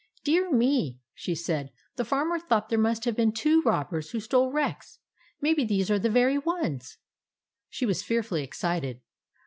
" Dear me 1 " she said. " The Farmer thought there must have been two robbers who stole Rex. Maybe these are the very ones." She was fearfully excited.